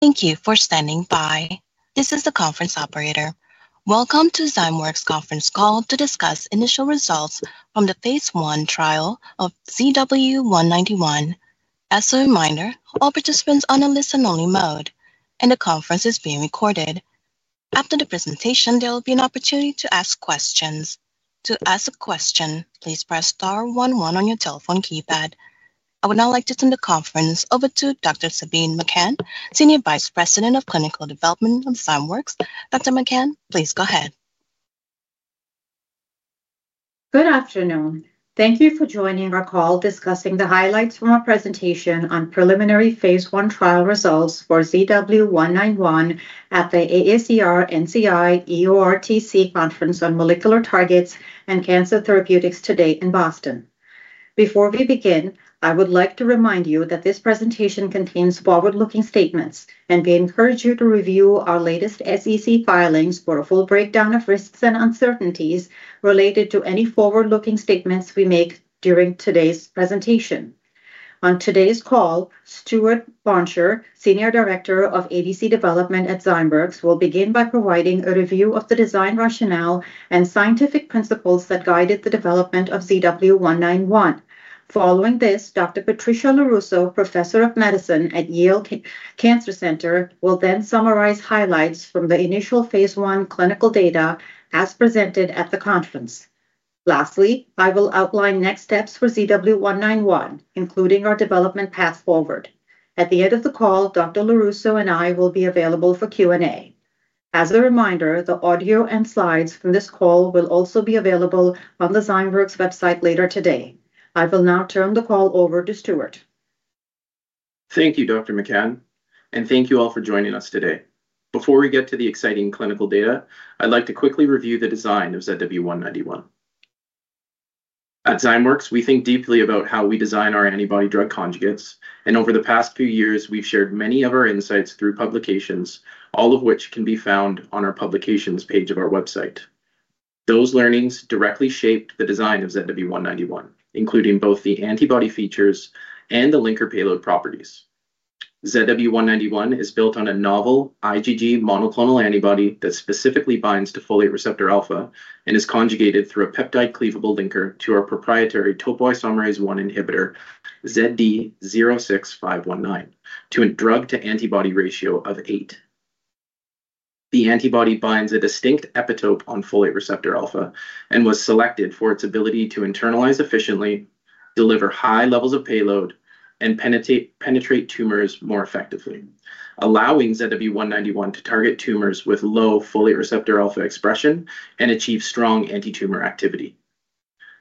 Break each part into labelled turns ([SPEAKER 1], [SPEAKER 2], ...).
[SPEAKER 1] Thank you for standing by. This is the conference operator. Welcome to the Zymeworks conference call to discuss initial results from the phase I trial of ZW191. As a reminder, all participants are on a listen-only mode, and the conference is being recorded. After the presentation, there will be an opportunity to ask questions. To ask a question, please press star one one on your telephone keypad. I would now like to turn the conference over to Dr. Sabeen Mekan, Senior Vice President of Clinical Development from Zymeworks. Dr. Mekan, please go ahead.
[SPEAKER 2] Good afternoon. Thank you for joining our call discussing the highlights from our presentation on preliminary phase I trial results for ZW191 at the AACR-NCI-EORTC Conference on Molecular Targets and Cancer Therapeutics today in Boston. Before we begin, I would like to remind you that this presentation contains forward-looking statements, and we encourage you to review our latest SEC filings for a full breakdown of risks and uncertainties related to any forward-looking statements we make during today's presentation. On today's call, Stuart Blanchard, Senior Director of ADC Development at Zymeworks, will begin by providing a review of the design rationale and scientific principles that guided the development of ZW191. Following this, Dr. Patricia LoRusso, Professor of Medicine at Yale Cancer Center, will then summarize highlights from the initial phase I clinical data as presented at the conference. Lastly, I will outline next steps for ZW191, including our development path forward. At the end of the call, Dr. LoRusso and I will be available for Q&A. As a reminder, the audio and slides from this call will also be available on the Zymeworks website later today. I will now turn the call over to Stuart.
[SPEAKER 3] Thank you, Dr. Mekan, and thank you all for joining us today. Before we get to the exciting clinical data, I'd like to quickly review the design of ZW191. At Zymeworks, we think deeply about how we design our antibody-drug conjugates, and over the past few years, we've shared many of our insights through publications, all of which can be found on our publications page of our website. Those learnings directly shaped the design of ZW191, including both the antibody features and the linker payload properties. ZW191 is built on a novel IgG monoclonal antibody that specifically binds to folate receptor alpha and is conjugated through a peptide-cleavable linker to our proprietary topoisomerase I inhibitor, ZD-06519, to a drug-to-antibody ratio of eight. The antibody binds a distinct epitope on folate receptor alpha and was selected for its ability to internalize efficiently, deliver high levels of payload, and penetrate tumors more effectively, allowing ZW191 to target tumors with low folate receptor alpha expression and achieve strong anti-tumor activity.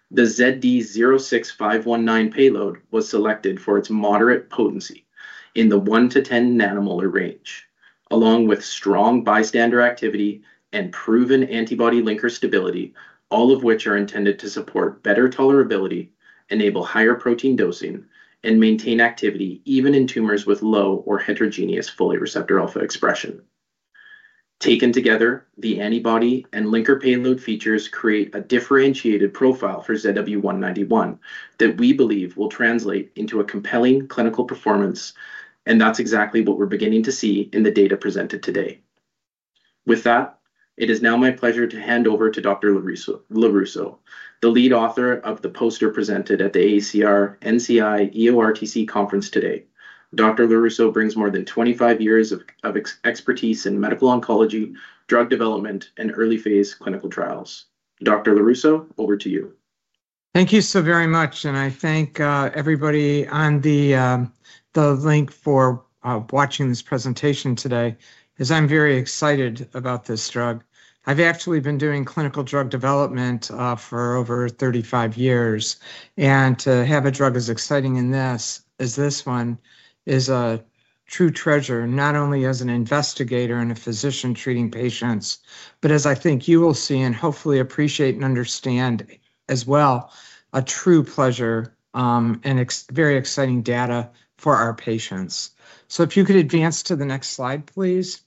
[SPEAKER 3] The ZD-06519 payload was selected for its moderate potency in the one to 10 nanomolar range, along with strong bystander activity and proven antibody linker stability, all of which are intended to support better tolerability, enable higher protein dosing, and maintain activity even in tumors with low or heterogeneous folate receptor alpha expression. Taken together, the antibody and linker payload features create a differentiated profile for ZW191 that we believe will translate into a compelling clinical performance, and that's exactly what we're beginning to see in the data presented today. With that, it is now my pleasure to hand over to Dr. LoRusso, the lead author of the poster presented at the AACR-NCI-EORTC Conference today. Dr. LoRusso brings more than 25 years of expertise in medical oncology, drug development, and early phase clinical trials. Dr. LoRusso, over to you.
[SPEAKER 4] Thank you so very much, and I thank everybody on the link for watching this presentation today, as I'm very excited about this drug. I've actually been doing clinical drug development for over 35 years, and to have a drug as exciting as this one is a true treasure, not only as an investigator and a physician treating patients, but as I think you will see and hopefully appreciate and understand as well, a true pleasure and very exciting data for our patients. If you could advance to the next slide, please.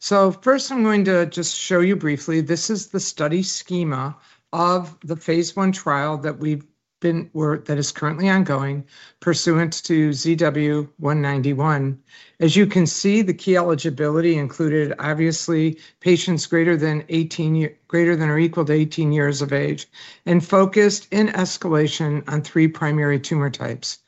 [SPEAKER 4] First, I'm going to just show you briefly, this is the study schema of the phase I trial that we've been that is currently ongoing pursuant to ZW191. As you can see, the key eligibility included obviously patients greater than or equal to 18 years of age and focused in escalation on three primary tumor types: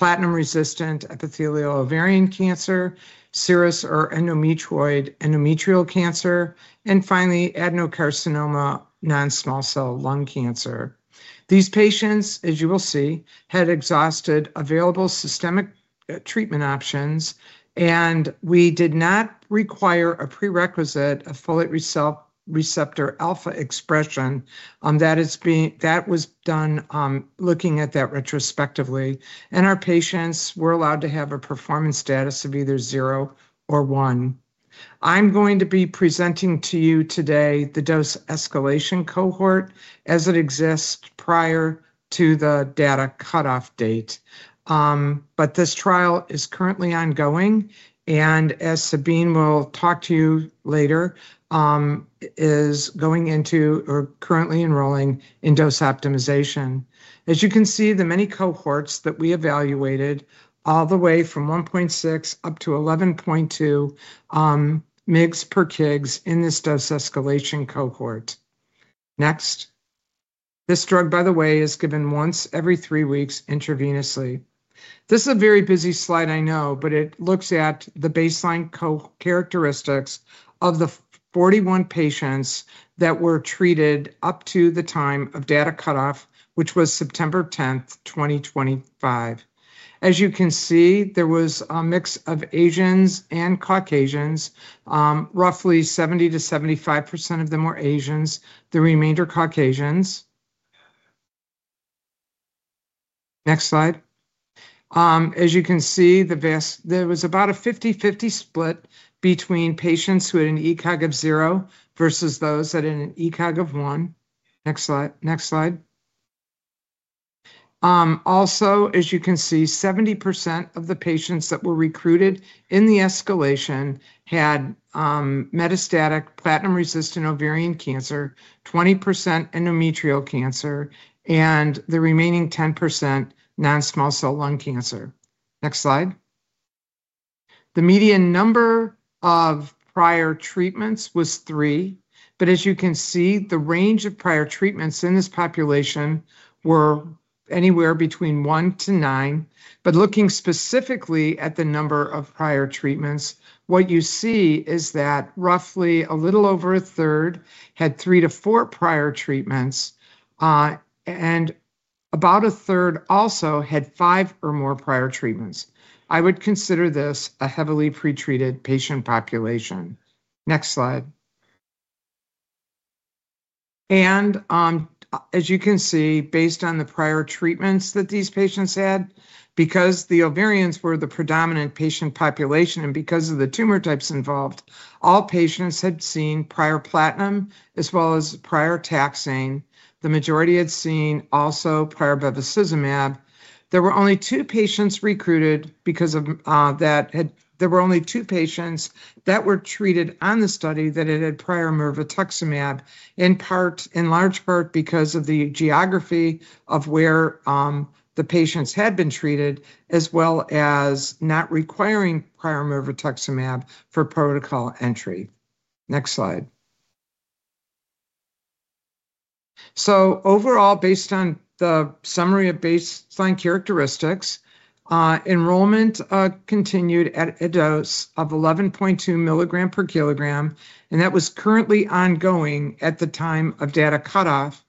[SPEAKER 4] platinum-resistant epithelial ovarian cancer, serous or endometrial cancer, and finally, adenocarcinoma non-small cell lung cancer. These patients, as you will see, had exhausted available systemic treatment options, and we did not require a prerequisite of folate receptor alpha expression. That was done looking at that retrospectively, and our patients were allowed to have a performance status of either zero or one. I'm going to be presenting to you today the dose escalation cohort as it exists prior to the data cutoff date. This trial is currently ongoing, and as Sabeen will talk to you later, is going into or currently enrolling in dose optimization. As you can see, the many cohorts that we evaluated all the way from 1.6-11.2 mg/kg in this dose escalation cohort. Next, this drug, by the way, is given once every three weeks intravenously. This is a very busy slide, I know, but it looks at the baseline characteristics of the 41 patients that were treated up to the time of data cutoff, which was September 10th, 2025. As you can see, there was a mix of Asians and Caucasians. Roughly 70%-75% of them were Asians, the remainder Caucasians. Next slide. As you can see, there was about a 50/50 split between patients who had an ECOG of zero versus those that had an ECOG of one. Next slide. Also, as you can see, 70% of the patients that were recruited in the escalation had metastatic platinum-resistant ovarian cancer, 20% endometrial cancer, and the remaining 10% non-small cell lung cancer. Next slide. The median number of prior treatments was three, but as you can see, the range of prior treatments in this population was anywhere between one to nine. Looking specifically at the number of prior treatments, what you see is that roughly a little over a third had three to four prior treatments, and about a third also had five or more prior treatments. I would consider this a heavily pretreated patient population. Next slide. As you can see, based on the prior treatments that these patients had, because the ovarian cancers were the predominant patient population and because of the tumor types involved, all patients had seen prior platinum as well as prior taxane. The majority had also seen prior bevacizumab. There were only two patients recruited because of that. There were only two patients that were treated on the study that had had prior mirvetuximab, in large part because of the geography of where the patients had been treated, as well as not requiring prior mirvetuximab for protocol entry. Next slide. Overall, based on the summary of baseline characteristics, enrollment continued at a dose of 11.2 mg/kg, and that was currently ongoing at the time of data cutoff.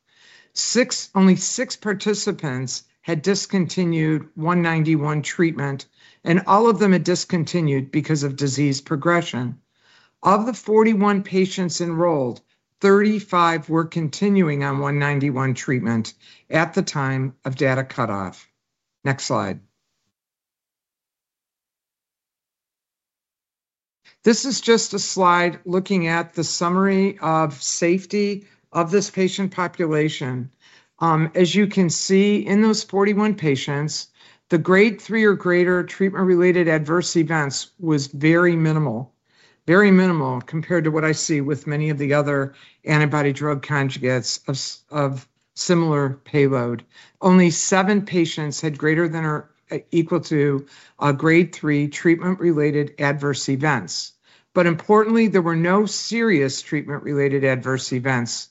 [SPEAKER 4] Only six participants had discontinued ZW191 treatment, and all of them had discontinued because of disease progression. Of the 41 patients enrolled, 35 were continuing on ZW191 treatment at the time of data cutoff. Next slide. This is just a slide looking at the summary of safety of this patient population. As you can see, in those 41 patients, the grade 3 or greater treatment-related adverse events was very minimal, very minimal compared to what I see with many of the other antibody-drug conjugates of similar payload. Only seven patients had greater than or equal to grade 3 treatment-related adverse events. Importantly, there were no serious treatment-related adverse events.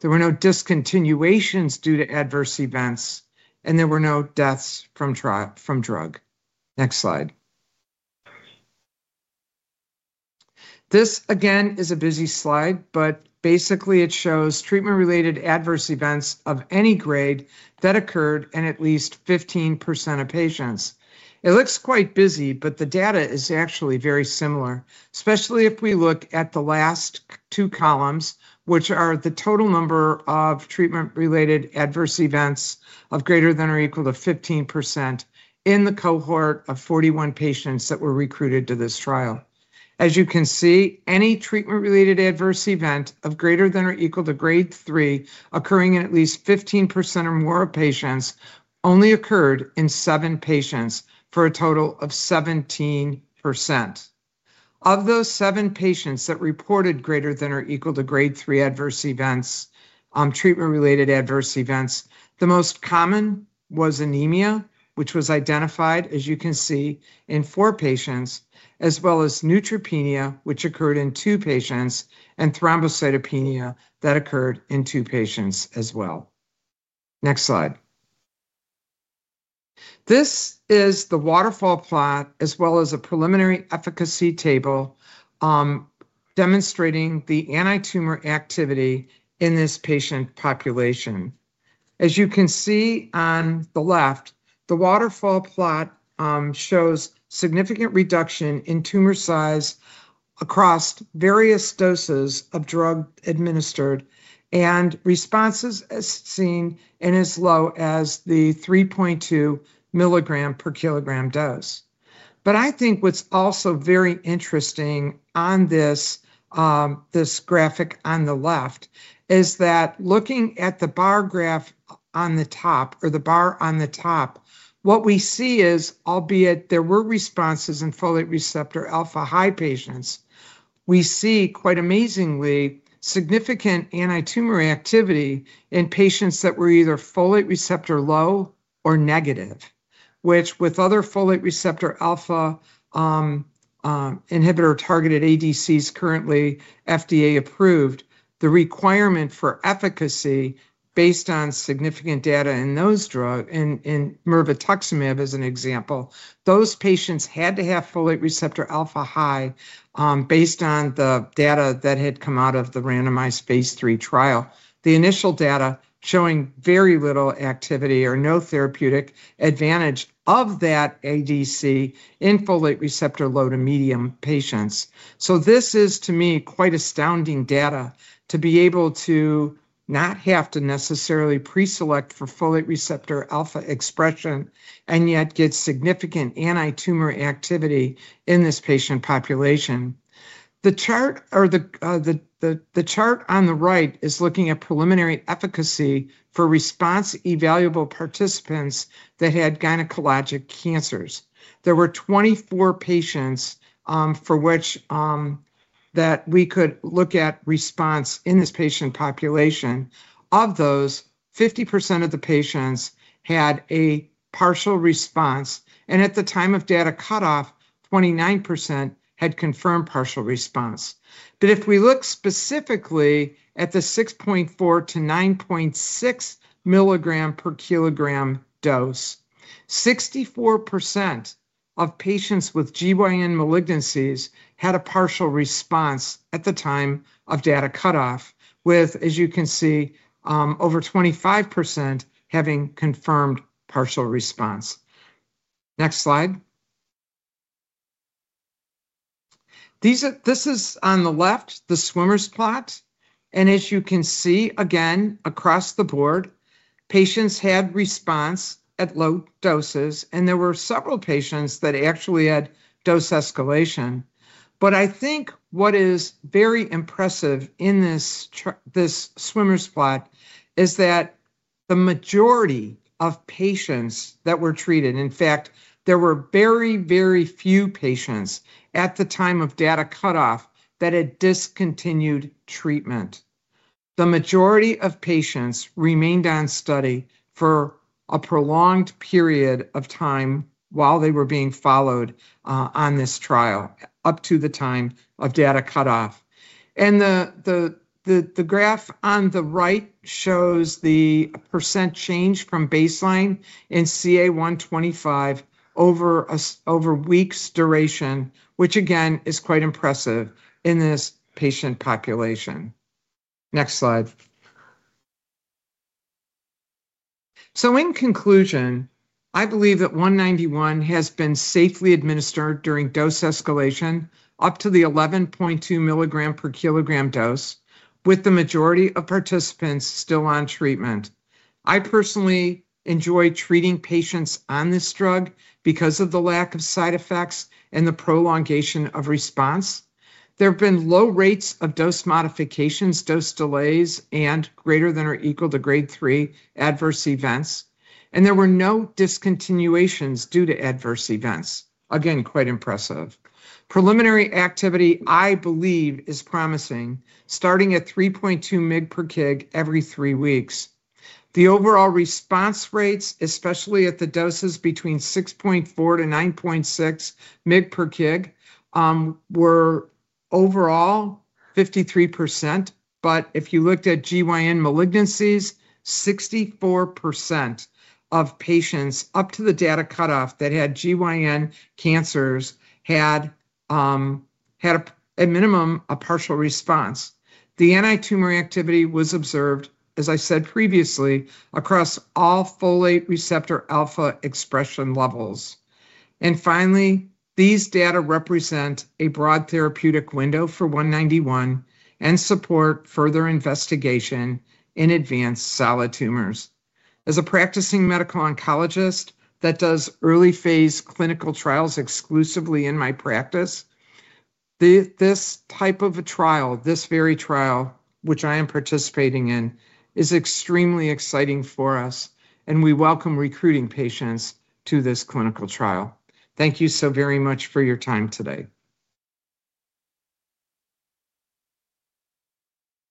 [SPEAKER 4] There were no discontinuations due to adverse events, and there were no deaths from drug. Next slide. This again is a busy slide, but basically, it shows treatment-related adverse events of any grade that occurred in at least 15% of patients. It looks quite busy, but the data is actually very similar, especially if we look at the last two columns, which are the total number of treatment-related adverse events of greater than or equal to 15% in the cohort of 41 patients that were recruited to this trial. As you can see, any treatment-related adverse event of greater than or equal to grade 3 occurring in at least 15% or more of patients only occurred in seven patients for a total of 17%. Of those seven patients that reported greater than or equal to grade 3 adverse events, treatment-related adverse events, the most common was anemia, which was identified, as you can see, in four patients, as well as neutropenia, which occurred in two patients, and thrombocytopenia that occurred in two patients as well. Next slide. This is the waterfall plot, as well as a preliminary efficacy table demonstrating the anti-tumor activity in this patient population. As you can see on the left, the waterfall plot shows significant reduction in tumor size across various doses of drug administered, and responses as seen in as low as the 3.2 mg/kg dose. What is also very interesting on this graphic on the left is that looking at the bar graph on the top, or the bar on the top, what we see is, albeit there were responses in folate receptor alpha high patients, we see quite amazingly significant anti-tumor activity in patients that were either folate receptor low or negative, which with other folate receptor alpha inhibitor targeted ADCs currently FDA approved, the requirement for efficacy based on significant data in those drugs, in mirvetuximab as an example, those patients had to have folate receptor alpha high based on the data that had come out of the randomized phase III trial. The initial data showing very little activity or no therapeutic advantage of that ADC in folate receptor low to medium patients. This is, to me, quite astounding data to be able to not have to necessarily preselect for folate receptor alpha expression and yet get significant anti-tumor activity in this patient population. The chart on the right is looking at preliminary efficacy for response evaluable participants that had gynecologic cancers. There were 24 patients for which we could look at response in this patient population. Of those, 50% of the patients had a partial response, and at the time of data cutoff, 29% had confirmed partial response. If we look specifically at the 6.4 to 9.6 milligram per kilogram dose, 64% of patients with gynecological malignancies had a partial response at the time of data cutoff, with, as you can see, over 25% having confirmed partial response. Next slide. This is on the left, the swimmer's plot, and as you can see, again, across the board, patients had response at low doses, and there were several patients that actually had dose escalation. What is very impressive in this swimmer's plot is that the majority of patients that were treated, in fact, there were very, very few patients at the time of data cutoff that had discontinued treatment. The majority of patients remained on study for a prolonged period of time while they were being followed on this trial up to the time of data cutoff. The graph on the right shows the percent change from baseline in CA-125 over a week's duration, which again is quite impressive in this patient population. Next slide. In conclusion, I believe that ZW191 has been safely administered during dose escalation up to the 11.2 mg/kg dose, with the majority of participants still on treatment. I personally enjoy treating patients on this drug because of the lack of side effects and the prolongation of response. There have been low rates of dose modifications, dose delays, and greater than or equal to grade 3 adverse events, and there were no discontinuations due to adverse events. Again, quite impressive. Preliminary activity, I believe, is promising, starting at 3.2 mg/kg every three weeks. The overall response rates, especially at the doses between 6.4 to 9.6 mg/kg, were overall 53%, but if you looked at gynecological malignancies, 64% of patients up to the data cutoff that had gynecological cancers had, at minimum, a partial response. The anti-tumor activity was observed, as I said previously, across all folate receptor alpha expression levels. Finally, these data represent a broad therapeutic window for ZW191 and support further investigation in advanced solid tumors. As a practicing Medical Oncologist that does early phase clinical trials exclusively in my practice, this type of a trial, this very trial which I am participating in, is extremely exciting for us, and we welcome recruiting patients to this clinical trial. Thank you so very much for your time today.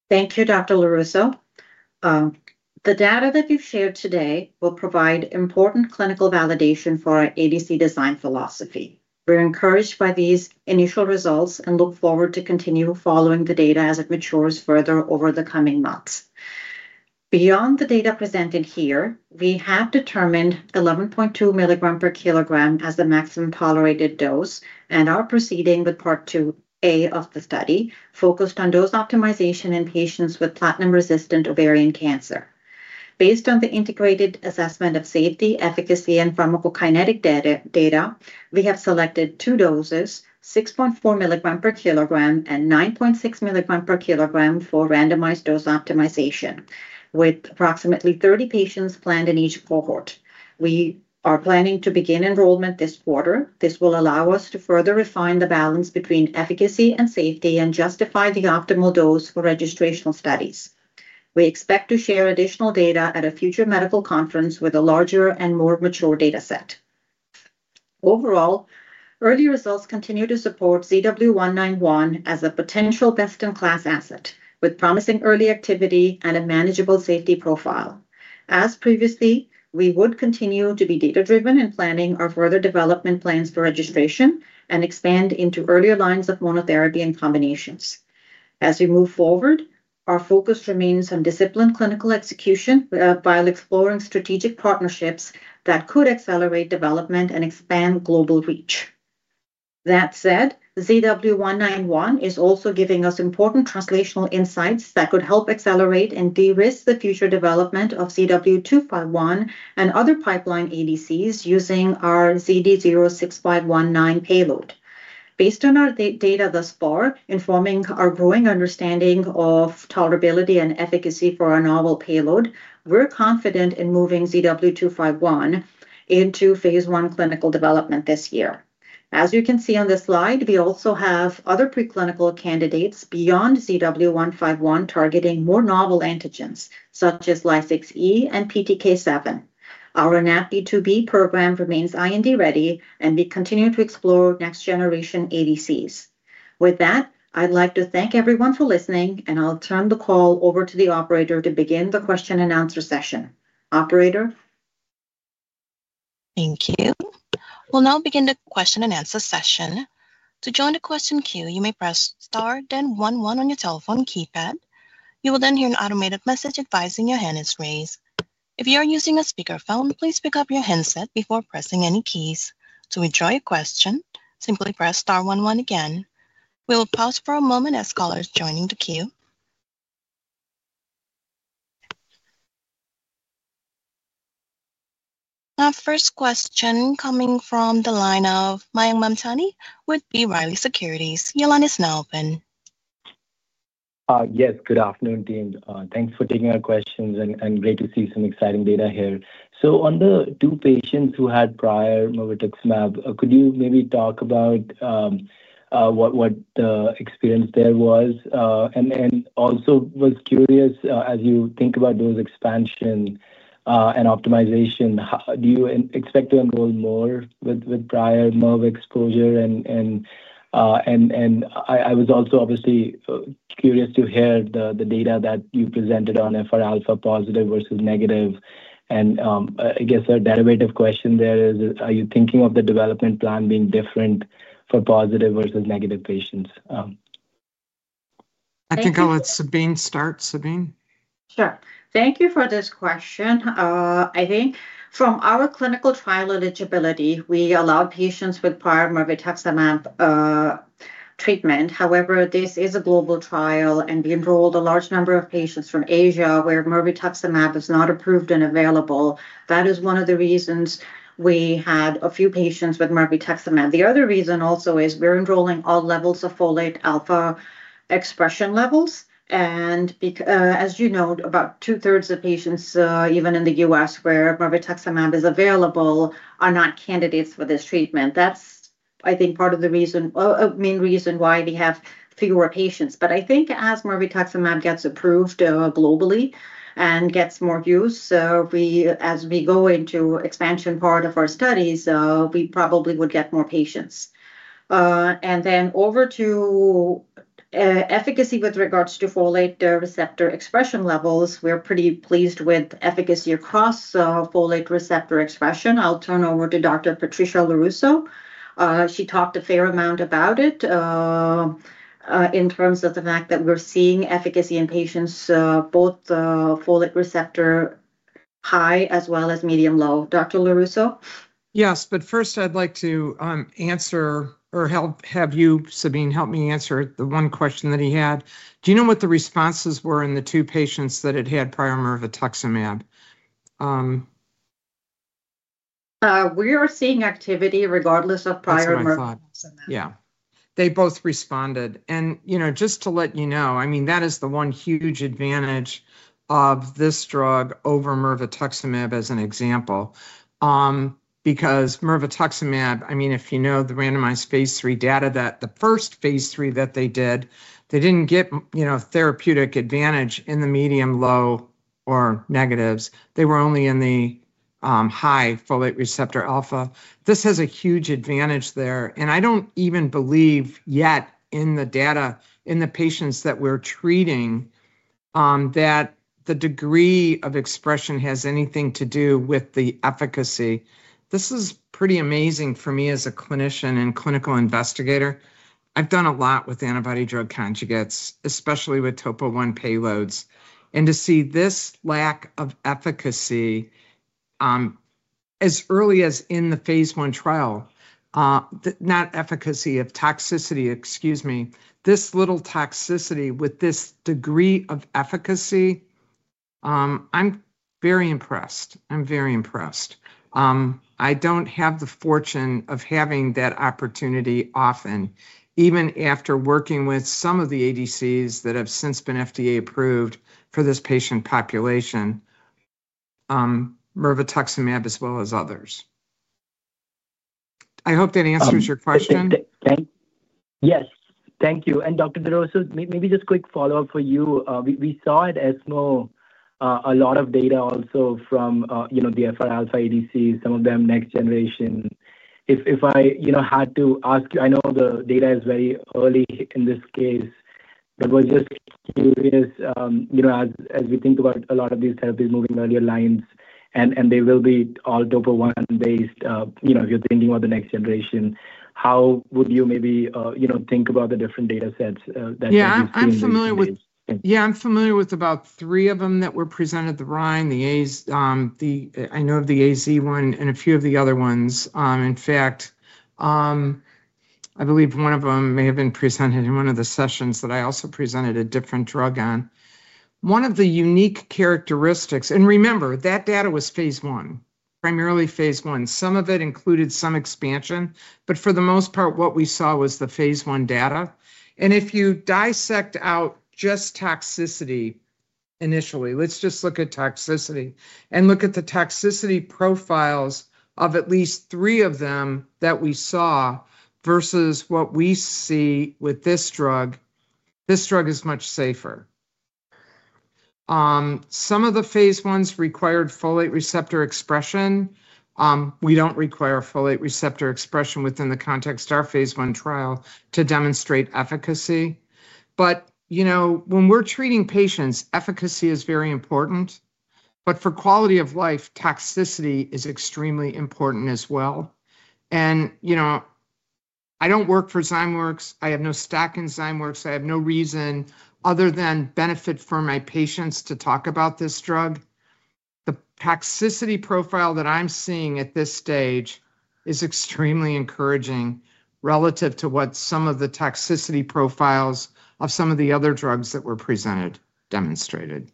[SPEAKER 2] Thank you, Dr. LaRusso. The data that you've shared today will provide important clinical validation for our ADC design philosophy. We're encouraged by these initial results and look forward to continue following the data as it matures further over the coming months. Beyond the data presented here, we have determined 11.2 mg/kg as the maximum tolerated dose and are proceeding with part 2A of the study focused on dose optimization in patients with platinum-resistant ovarian cancer. Based on the integrated assessment of safety, efficacy, and pharmacokinetic data, we have selected two doses: 6.4 mg/kg and 9.6 mg/kg for randomized dose optimization, with approximately 30 patients planned in each cohort. We are planning to begin enrollment this quarter. This will allow us to further refine the balance between efficacy and safety and justify the optimal dose for registrational studies. We expect to share additional data at a future medical conference with a larger and more mature data set. Overall, early results continue to support ZW191 as a potential best-in-class asset with promising early activity and a manageable safety profile. As previously, we would continue to be data-driven in planning our further development plans for registration and expand into earlier lines of monotherapy and combinations. As we move forward, our focus remains on disciplined clinical execution while exploring strategic partnerships that could accelerate development and expand global reach. That said, ZW191 is also giving us important translational insights that could help accelerate and de-risk the future development of ZW251 and other pipeline ADCs using our ZD-06519 payload. Based on our data thus far, informing our growing understanding of tolerability and efficacy for our novel payload, we're confident in moving ZW251 into phase I clinical development this year. As you can see on this slide, we also have other preclinical candidates beyond ZW251 targeting more novel antigens, such as LYSIGHT-E and PTK7. Our NAPI2b-targeting candidates program remains IND ready, and we continue to explore next-generation ADCs. With that, I'd like to thank everyone for listening, and I'll turn the call over to the operator to begin the question-and-answer session. Operator?
[SPEAKER 1] Thank you. We'll now begin the question-and-answer session. To join the question queue, you may press star, then 11 on your telephone keypad. You will then hear an automated message advising your hand is raised. If you are using a speakerphone, please pick up your headset before pressing any keys. To withdraw your question, simply press star one again. We will pause for a moment as callers join the queue. Our first question coming from the line of Mayank Mamtani with B. Riley Securities. Your line is now open.
[SPEAKER 5] Yes. Good afternoon, Dean. Thanks for taking our questions, and great to see some exciting data here. On the two patients who had prior mirvetuximab, could you maybe talk about what the experience there was? I was curious, as you think about those expansions and optimization, do you expect to enroll more with prior mirvetuximab exposure? I was also obviously curious to hear the data that you presented on folate receptor alpha positive versus negative. I guess a derivative question there is, are you thinking of the development plan being different for positive versus negative patients?
[SPEAKER 4] I can go with Sabeen's start. Sabeen?
[SPEAKER 2] Sure. Thank you for this question. I think from our clinical trial eligibility, we allow patients with prior mirvetuximab treatment. However, this is a global trial, and we enrolled a large number of patients from Asia where mirvetuximab is not approved and available. That is one of the reasons we had a few patients with mirvetuximab. The other reason also is we're enrolling all levels of folate receptor alpha expression levels. As you know, about two-thirds of patients, even in the U.S., where mirvetuximab is available, are not candidates for this treatment. That's, I think, part of the reason, a main reason why we have fewer patients. I think as mirvetuximab gets approved globally and gets more use, as we go into expansion part of our studies, we probably would get more patients. Over to efficacy with regards to folate receptor expression levels, we're pretty pleased with efficacy across folate receptor expression. I'll turn over to Dr. Patricia LoRusso. She talked a fair amount about it in terms of the fact that we're seeing efficacy in patients both folate receptor high as well as medium low. Dr. LoRusso?
[SPEAKER 4] Yes. First, I'd like to answer or have you, Sabeen, help me answer the one question that he had. Do you know what the responses were in the two patients that had had prior mirvetuximab?
[SPEAKER 2] We are seeing activity regardless of prior mirvetuximab.
[SPEAKER 4] Yeah. They both responded. Just to let you know, that is the one huge advantage of this drug over mirvetuximab as an example. Because mirvetuximab, if you know the randomized phase III data, the first phase III that they did, they didn't get therapeutic advantage in the medium, low, or negatives. They were only in the high folate receptor alpha. This has a huge advantage there. I don't even believe yet in the data in the patients that we're treating that the degree of expression has anything to do with the efficacy. This is pretty amazing for me as a clinician and clinical investigator. I've done a lot with antibody-drug conjugates, especially with topoisomerase I payloads. To see this lack of toxicity as early as in the phase I trial, this little toxicity with this degree of efficacy, I'm very impressed. I'm very impressed. I don't have the fortune of having that opportunity often, even after working with some of the ADCs that have since been FDA approved for this patient population, mirvetuximab as well as others. I hope that answers your question.
[SPEAKER 5] Yes. Thank you. Dr. LaRusso, maybe just a quick follow-up for you. We saw at ESMO a lot of data also from the folate receptor alpha ADCs, some of them next generation. If I had to ask you, I know the data is very early in this case, but we're just curious, as we think about a lot of these therapies moving to earlier lines, and they will be all topoisomerase I inhibitor based, if you're thinking about the next generation, how would you maybe think about the different data sets that you've seen?
[SPEAKER 4] Yeah. I'm familiar with about three of them that were presented: the RYNE, the AZ, I know of the AZ one, and a few of the other ones. In fact, I believe one of them may have been presented in one of the sessions that I also presented a different drug on. One of the unique characteristics, and remember, that data was phase I, primarily phase I. Some of it included some expansion, but for the most part, what we saw was the phase I data. If you dissect out just toxicity initially, let's just look at toxicity and look at the toxicity profiles of at least three of them that we saw versus what we see with this drug. This drug is much safer. Some of the phase I's required folate receptor alpha expression. We don't require folate receptor alpha expression within the context of our phase I trial to demonstrate efficacy. You know, when we're treating patients, efficacy is very important. For quality of life, toxicity is extremely important as well. You know, I don't work for Zymeworks. I have no stake in Zymeworks. I have no reason other than benefit for my patients to talk about this drug. The toxicity profile that I'm seeing at this stage is extremely encouraging relative to what some of the toxicity profiles of some of the other drugs that were presented demonstrated.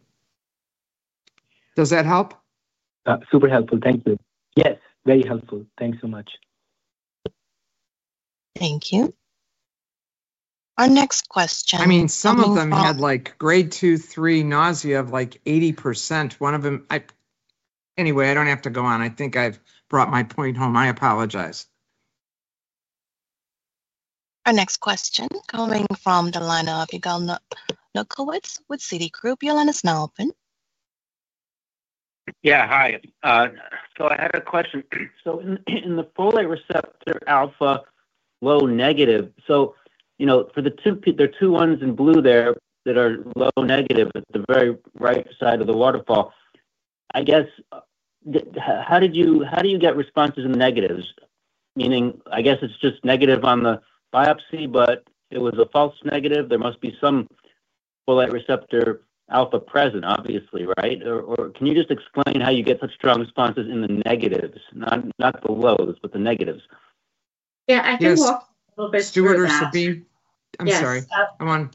[SPEAKER 4] Does that help?
[SPEAKER 5] Super helpful. Thank you. Yes, very helpful. Thanks so much.
[SPEAKER 1] Thank you. Our next question.
[SPEAKER 4] Some of them had like grade 2, 3 nausea of like 80%. One of them, anyway, I don't have to go on. I think I've brought my point home. I apologize.
[SPEAKER 1] Our next question coming from the line of Adigalna Lukowitz with Citigroup. Your line is now open. Yeah. Hi. I had a question. In the folate receptor alpha low negative, for the two, there are two ones in blue there that are low negative at the very right side of the waterfall. I guess, how did you, how do you get responses in the negatives? Meaning, I guess it's just negative on the biopsy, but it was a false negative. There must be some folate receptor alpha present, obviously, right? Can you just explain how you get such strong responses in the negatives, not the lows, but the negatives?
[SPEAKER 2] Yeah, I can walk you a little bit through that.
[SPEAKER 4] Stuart, could you? I'm sorry.
[SPEAKER 2] Yes.
[SPEAKER 4] Come on,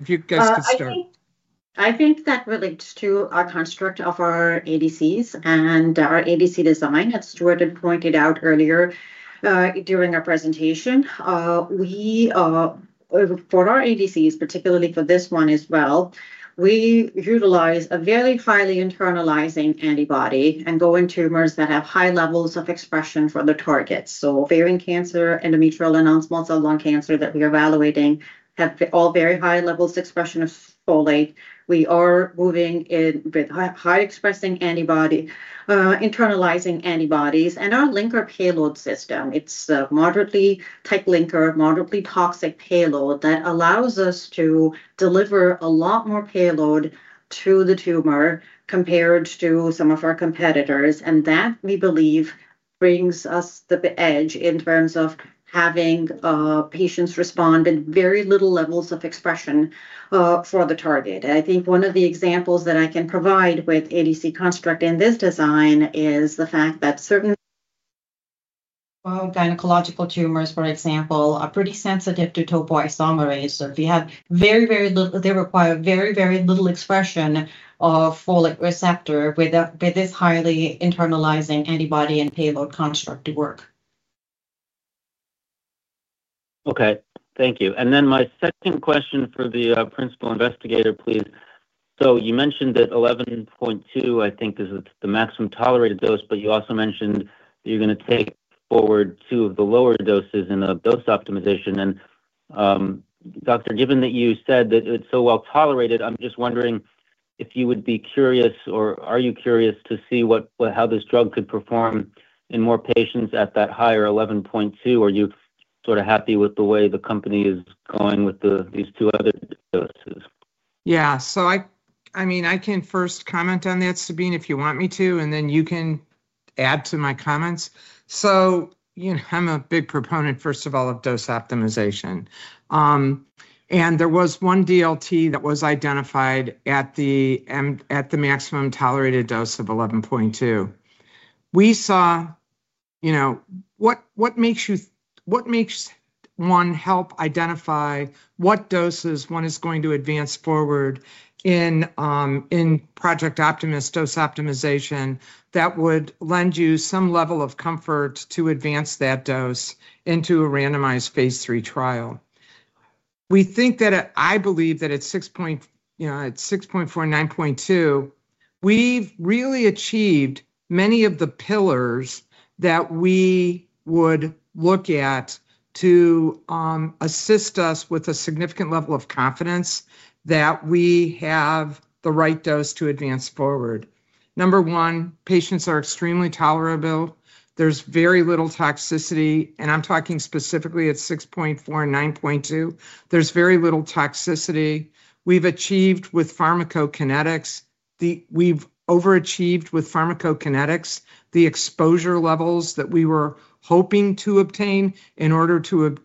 [SPEAKER 4] if you guys could start.
[SPEAKER 2] I think that relates to our construct of our ADCs and our ADC design, as Stuart had pointed out earlier during our presentation. For our ADCs, particularly for this one as well, we utilize a very highly internalizing antibody and go in tumors that have high levels of expression for the target. Ovarian cancer, endometrial cancer, and non-small cell lung cancer that we're evaluating have all very high levels of expression of folate receptor alpha. We are moving in with high expressing antibody, internalizing antibodies, and our linker payload system. It's a moderately tight linker, moderately toxic payload that allows us to deliver a lot more payload to the tumor compared to some of our competitors. That, we believe, brings us the edge in terms of having patients respond in very little levels of expression for the target. I think one of the examples that I can provide with ADC construct in this design is the fact that certain gynecological malignancies, for example, are pretty sensitive to topoisomerase I inhibitor. If you have very, very little, they require very, very little expression of folate receptor alpha with this highly internalizing antibody and payload construct to work. Thank you. My second question for the Principal Investigator, please. You mentioned that 11.2 is the maximum tolerated dose, but you also mentioned that you're going to take forward two of the lower doses in a dose optimization. Doctor, given that you said that it's so well tolerated, I'm just wondering if you would be curious or are you curious to see how this drug could perform in more patients at that higher 11.2? Are you sort of happy with the way the company is going with these two other doses?
[SPEAKER 4] Yeah. I can first comment on that, Sabeen, if you want me to, and then you can add to my comments. I'm a big proponent, first of all, of dose optimization. There was one DLT that was identified at the maximum tolerated dose of 11.2. We saw what makes you, what makes one help identify what doses one is going to advance forward in Project Optimus dose optimization that would lend you some level of comfort to advance that dose into a randomized phase III trial. We think that I believe that at 6.4, 9.2, we've really achieved many of the pillars that we would look at to assist us with a significant level of confidence that we have the right dose to advance forward. Number one, patients are extremely tolerable. There's very little toxicity, and I'm talking specifically at 6.4 and 9.2. There's very little toxicity. We've achieved with pharmacokinetics, we've overachieved with pharmacokinetics the exposure levels that we were hoping to obtain in order to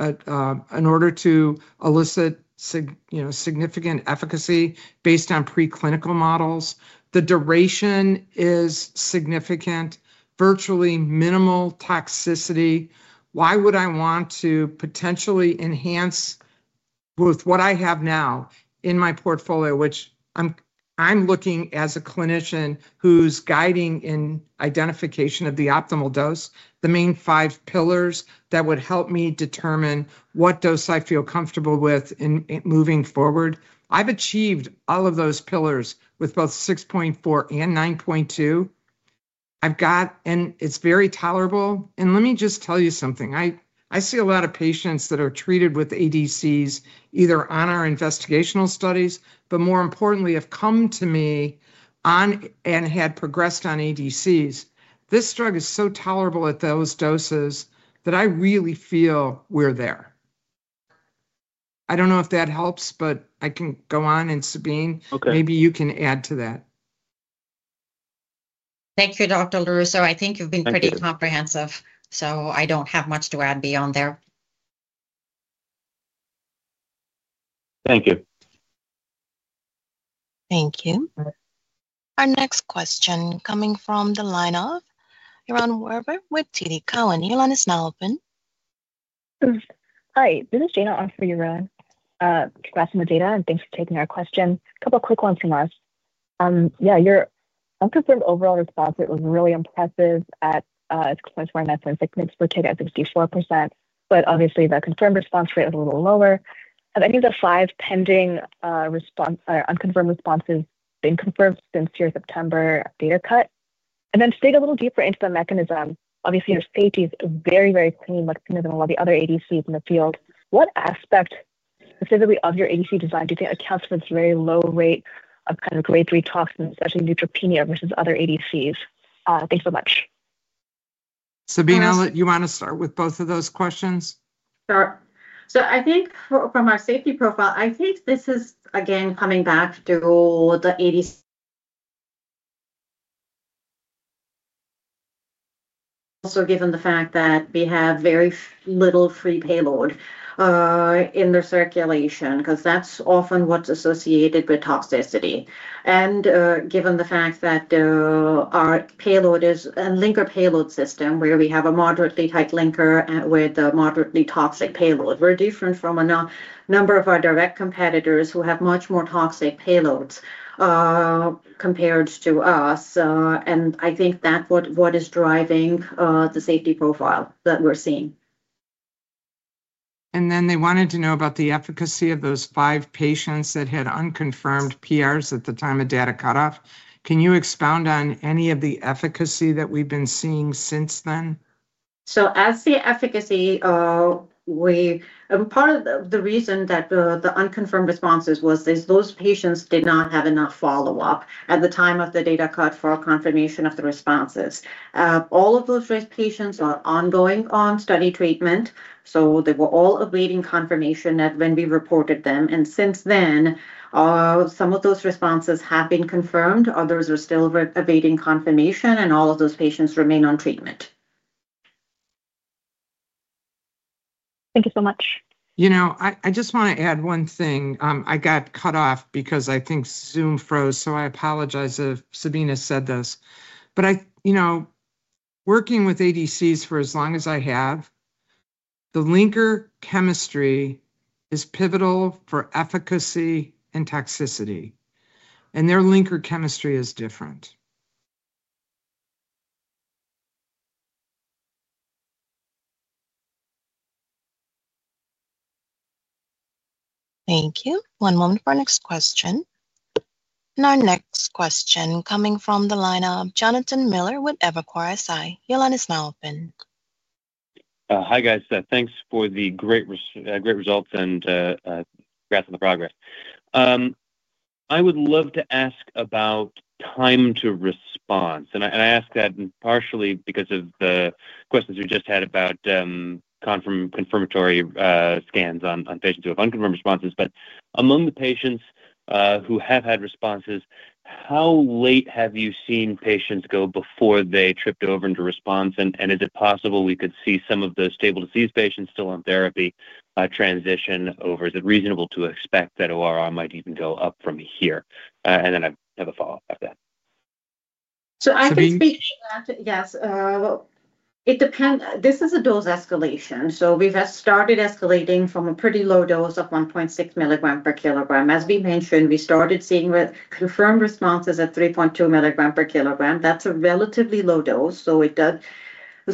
[SPEAKER 4] elicit significant efficacy based on preclinical models. The duration is significant, virtually minimal toxicity. Why would I want to potentially enhance both what I have now in my portfolio, which I'm looking as a clinician who's guiding in identification of the optimal dose, the main five pillars that would help me determine what dose I feel comfortable with in moving forward? I've achieved all of those pillars with both 6.4 and 9.2. I've got, and it's very tolerable. Let me just tell you something. I see a lot of patients that are treated with ADCs either on our investigational studies, but more importantly, have come to me and had progressed on ADCs. This drug is so tolerable at those doses that I really feel we're there. I don't know if that helps, but I can go on, and Sabeen, maybe you can add to that.
[SPEAKER 2] Thank you, Dr. LoRusso. I think you've been pretty comprehensive, so I don't have much to add beyond that. Thank you.
[SPEAKER 1] Thank you. Our next question coming from the line of Yaron Werber with TD Cowen. Your line is now open. Hi. This is Diana on for Yaron. Congrats on the data, and thanks for taking our question. A couple of quick ones from us. Your unconfirmed overall response rate was really impressive at 6.4% and 9.6% mixed for takeout 64%. Obviously, the confirmed response rate was a little lower. I think the five pending response or unconfirmed responses have been confirmed since your September data cut. To dig a little deeper into the mechanism, obviously, your safety is very, very clean, much cleaner than a lot of the other ADCs in the field. What aspect specifically of your ADC design do you think accounts for this very low rate of kind of grade 3 toxins, especially neutropenia versus other ADCs? Thanks so much.
[SPEAKER 4] Sabeen, you want to start with both of those questions?
[SPEAKER 2] Sure. I think from our safety profile, this is, again, coming back to the ADC. Also, given the fact that we have very little free payload in the circulation because that's often what's associated with toxicity, and given the fact that our payload is a linker payload system where we have a moderately tight linker with a moderately toxic payload, we're different from a number of our direct competitors who have much more toxic payloads compared to us. I think that's what is driving the safety profile that we're seeing.
[SPEAKER 4] They wanted to know about the efficacy of those five patients that had unconfirmed PRs at the time of data cutoff. Can you expound on any of the efficacy that we've been seeing since then?
[SPEAKER 2] The efficacy part of the reason that the unconfirmed responses was is those patients did not have enough follow-up at the time of the data cut for confirmation of the responses. All of those patients are ongoing on study treatment. They were all awaiting confirmation when we reported them. Since then, some of those responses have been confirmed. Others are still awaiting confirmation, and all of those patients remain on treatment. Thank you so much.
[SPEAKER 4] I just want to add one thing. I got cut off because I think Zoom froze, so I apologize if Sabeen has said this. Working with ADCs for as long as I have, the linker chemistry is pivotal for efficacy and toxicity. Their linker chemistry is different.
[SPEAKER 1] Thank you. One moment for our next question. Our next question is coming from the line of Jonathan Miller with Evercore ISI. Your line is now open.
[SPEAKER 6] Hi, guys. Thanks for the great results and congrats on the progress. I would love to ask about time to response. I ask that partially because of the questions we just had about confirmatory scans on patients who have unconfirmed responses. Among the patients who have had responses, how late have you seen patients go before they tripped over into response? Is it possible we could see some of those stable disease patients still on therapy transition over? Is it reasonable to expect that ORR might even go up from here? I have a follow-up after that.
[SPEAKER 2] I can speak to that. Yes, it depends. This is a dose escalation. We have started escalating from a pretty low dose of 1.6mg/kg. As we mentioned, we started seeing confirmed responses at 3.2 mg/kg. That's a relatively low dose.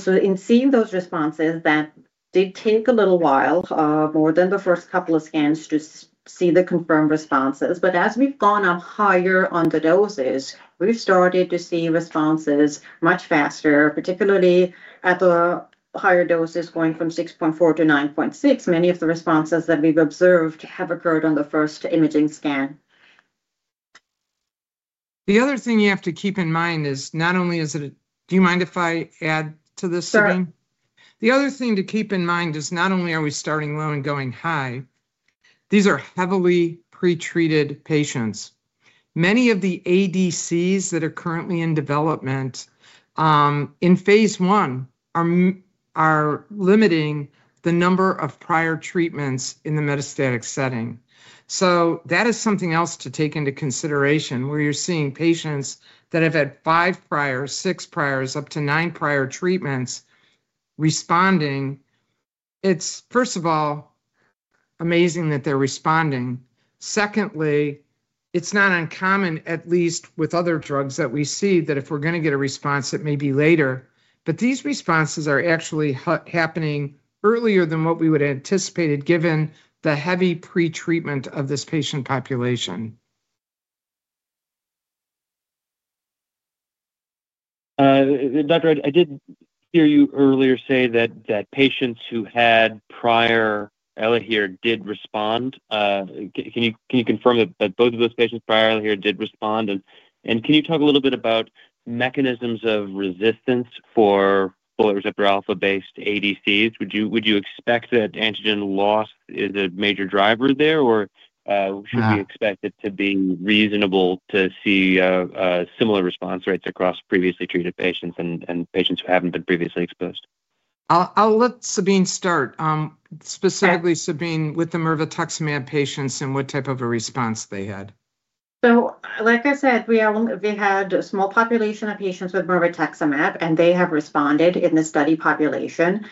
[SPEAKER 2] In seeing those responses, that did take a little while, more than the first couple of scans to see the confirmed responses. As we've gone up higher on the doses, we've started to see responses much faster, particularly at the higher doses going from 6.4-9.6. Many of the responses that we've observed have occurred on the first imaging scan.
[SPEAKER 4] The other thing you have to keep in mind is not only is it a, do you mind if I add to this, Sabeen?
[SPEAKER 2] Sure.
[SPEAKER 4] The other thing to keep in mind is not only are we starting low and going high, these are heavily pretreated patients. Many of the ADCs that are currently in development in phase I are limiting the number of prior treatments in the metastatic setting. That is something else to take into consideration where you're seeing patients that have had five priors, six priors, up to nine prior treatments responding. It's, first of all, amazing that they're responding. Secondly, it's not uncommon, at least with other drugs that we see, that if we're going to get a response, it may be later. These responses are actually happening earlier than what we would have anticipated given the heavy pretreatment of this patient population.
[SPEAKER 6] Doctor, I did hear you earlier say that patients who had prior Elahere did respond. Can you confirm that both of those patients with prior Elahere did respond? Can you talk a little bit about mechanisms of resistance for folate receptor alpha-based ADCs? Would you expect that antigen loss is a major driver there, or should we expect it to be reasonable to see similar response rates across previously treated patients and patients who haven't been previously exposed?
[SPEAKER 4] I'll let Sabeen start. Specifically, Sabeen, with the mirvetuximab patients and what type of a response they had.
[SPEAKER 2] Like I said, we had a small population of patients with mirvetuximab, and they have responded in the study population.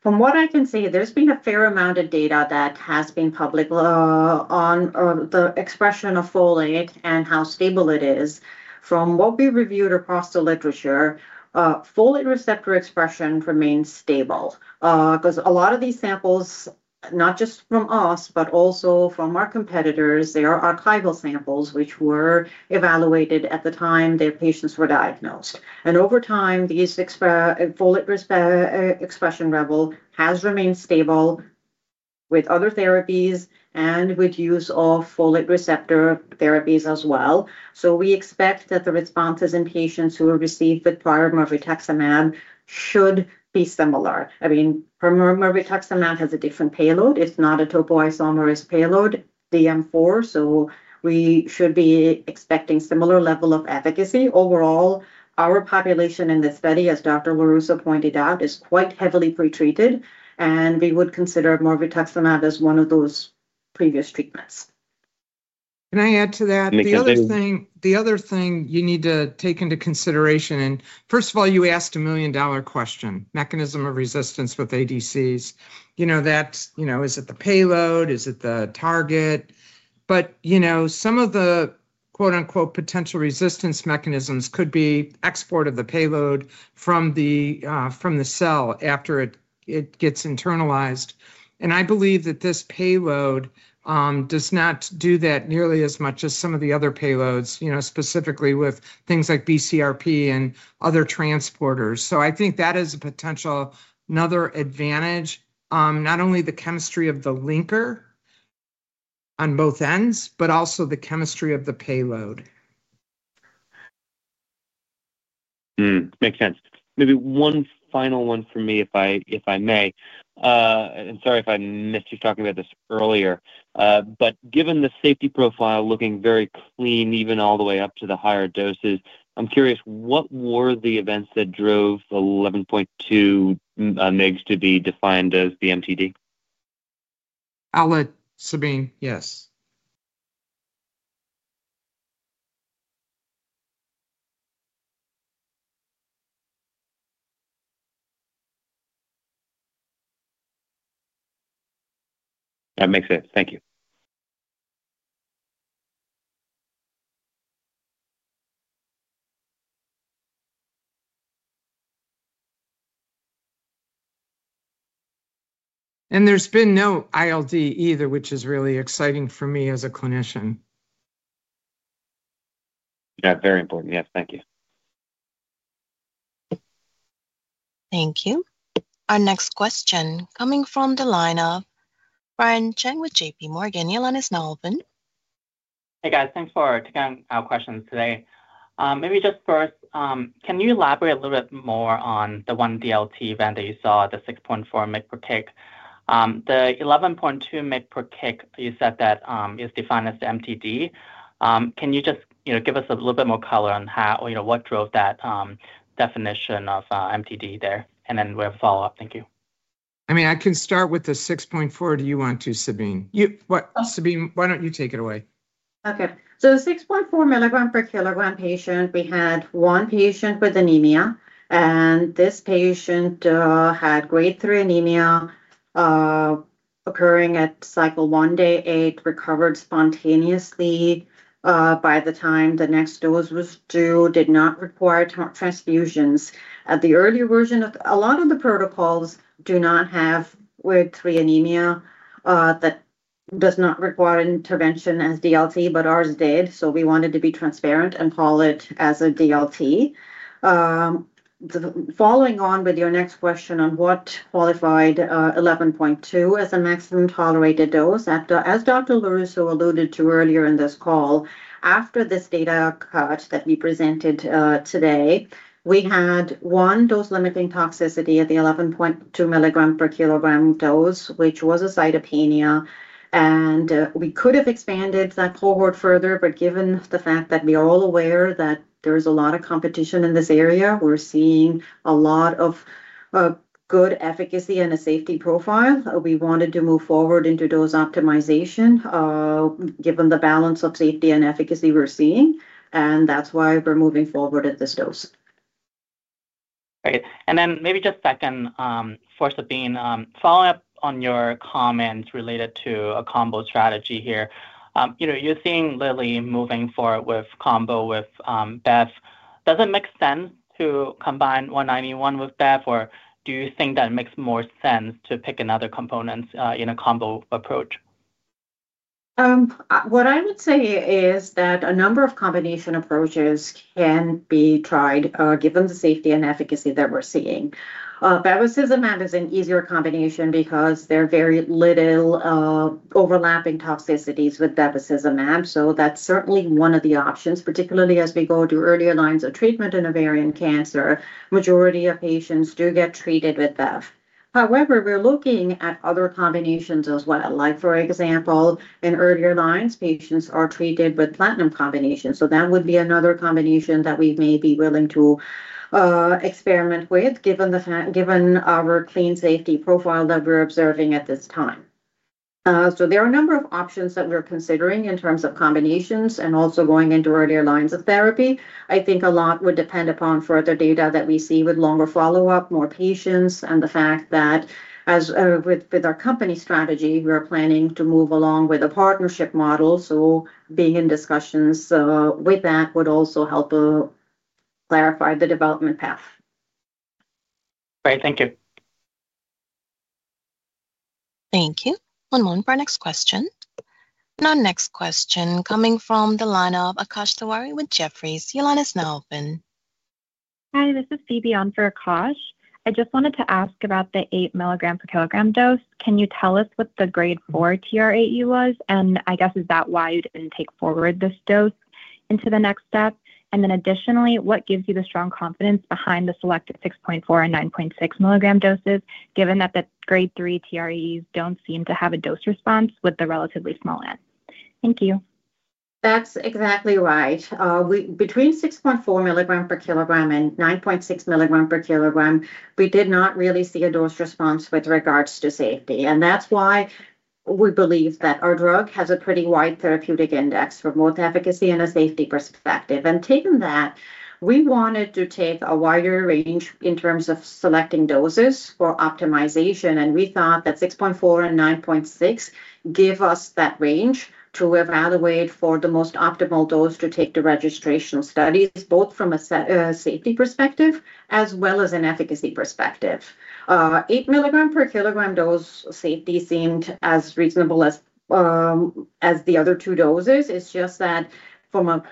[SPEAKER 2] From what I can see, there's been a fair amount of data that has been public on the expression of folate and how stable it is. From what we reviewed across the literature, folate receptor expression remains stable because a lot of these samples, not just from us, but also from our competitors, they are archival samples which were evaluated at the time their patients were diagnosed. Over time, these folate expression levels have remained stable with other therapies and with the use of folate receptor therapies as well. We expect that the responses in patients who have received the prior mirvetuximab should be similar. I mean, mirvetuximab has a different payload. It's not a topoisomerase I inhibitor payload, it's DM4. We should be expecting a similar level of efficacy. Overall, our population in this study, as Dr. LaRusso pointed out, is quite heavily pretreated, and we would consider mirvetuximab as one of those previous treatments.
[SPEAKER 4] Can I add to that?
[SPEAKER 6] Please do.
[SPEAKER 4] The other thing you need to take into consideration, first of all, you asked a million-dollar question, mechanism of resistance with ADCs. You know, is it the payload? Is it the target? Some of the quote-unquote "potential resistance" mechanisms could be export of the payload from the cell after it gets internalized. I believe that this payload does not do that nearly as much as some of the other payloads, specifically with things like BCRP and other transporters. I think that is a potential another advantage, not only the chemistry of the linker on both ends, but also the chemistry of the payload.
[SPEAKER 6] Makes sense. Maybe one final one for me, if I may. Sorry if I missed you talking about this earlier, but given the safety profile looking very clean, even all the way up to the higher doses, I'm curious, what were the events that drove 11.2 mg to be defined as the maximum tolerated dose?
[SPEAKER 4] I'll let Sabeen, yes.
[SPEAKER 6] That makes sense. Thank you.
[SPEAKER 4] There has been no ILD either, which is really exciting for me as a clinician.
[SPEAKER 6] Yes, very important. Yes. Thank you.
[SPEAKER 1] Thank you. Our next question coming from the line of Ryan Dercho with JPMorgan. Your line is now open.
[SPEAKER 7] Hey, guys. Thanks for taking our questions today. Maybe just first, can you elaborate a little bit more on the one DLT event that you saw, the 6.4 mg/kg? The 11.2 mg/kg, you said that is defined as the maximum tolerated dose. Can you just give us a little bit more color on how or what drove that definition of maximum tolerated dose there? Thank you.
[SPEAKER 4] I can start with the 6.4 mg/kg. Do you want to, Sabeen? Sabeen, why don't you take it away?
[SPEAKER 2] Okay. The 6.4 mg/kg patient, we had one patient with anemia, and this patient had grade 3 anemia occurring at cycle one, day eight, recovered spontaneously by the time the next dose was due, did not require transfusions. At the earlier version of a lot of the protocols, we do not have grade 3 anemia that does not require intervention as a DLT, but ours did. We wanted to be transparent and call it as a DLT. Following on with your next question on what qualified 11.2 as a maximum tolerated dose, as Dr. LoRusso alluded to earlier in this call, after this data cut that we presented today, we had one dose-limiting toxicity at the 11.2 mg/kg dose, which was a cytopenia. We could have expanded that cohort further, but given the fact that we are all aware that there's a lot of competition in this area, we're seeing a lot of good efficacy and a safety profile, we wanted to move forward into dose optimization given the balance of safety and efficacy we're seeing. That's why we're moving forward at this dose.
[SPEAKER 7] Great. Maybe just a second for Sabeen, following up on your comments related to a combo strategy here. You know, you're seeing Lilly moving forward with a combo with Elahere. Does it make sense to combine ZW191 with Elahere, or do you think that it makes more sense to pick another component in a combo approach?
[SPEAKER 2] What I would say is that a number of combination approaches can be tried given the safety and efficacy that we're seeing. Bevacizumab is an easier combination because there are very little overlapping toxicities with bevacizumab. That's certainly one of the options, particularly as we go to earlier lines of treatment in ovarian cancer. The majority of patients do get treated with Bev. However, we're looking at other combinations as well. For example, in earlier lines, patients are treated with platinum combination. That would be another combination that we may be willing to experiment with given our clean safety profile that we're observing at this time. There are a number of options that we're considering in terms of combinations and also going into earlier lines of therapy. I think a lot would depend upon further data that we see with longer follow-up, more patients, and the fact that as with our company strategy, we are planning to move along with a partnership model. Being in discussions with that would also help clarify the development path.
[SPEAKER 7] Great. Thank you.
[SPEAKER 1] Thank you. One moment for our next question. Our next question coming from the line of Akash Tewari with Jefferies. Your line is now open. Hi, this is Sabeen for Akash. I just wanted to ask about the 8 mg/kg dose. Can you tell us what the grade 4 TRAE was? Is that why you didn't take forward this dose into the next step? Additionally, what gives you the strong confidence behind the selected 6.4 and 9.6 mg doses, given that the grade 3 TRAEs don't seem to have a dose response with the relatively small n? Thank you.
[SPEAKER 2] That's exactly right. Between 6.4 mg/kg and 9.6 mg/kg, we did not really see a dose response with regards to safety. That's why we believe that our drug has a pretty wide therapeutic index for both efficacy and a safety perspective. Taking that, we wanted to take a wider range in terms of selecting doses for optimization. We thought that 6.4 and 9.6 give us that range to evaluate for the most optimal dose to take to registration studies, both from a safety perspective as well as an efficacy perspective. The 8 mg/kg dose safety seemed as reasonable as the other two doses. It's just that from a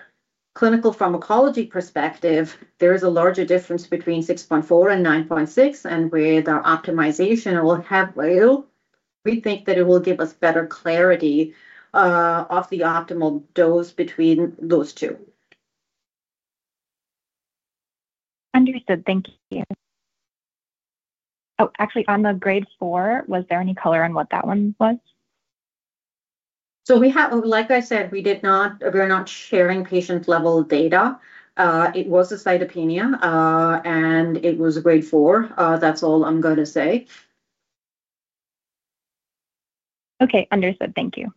[SPEAKER 2] clinical pharmacology perspective, there is a larger difference between 6.4 and 9.6. With our optimization, we think that it will give us better clarity of the optimal dose between those two. Understood. Thank you. Actually, on the grade 4, was there any color on what that one was? As I said, we did not, we are not sharing patient-level data. It was a cytopenia, and it was a grade 4. That's all I'm going to say. Okay. Understood. Thank you.